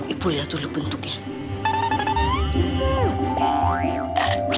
ibu liat dulu bentuknya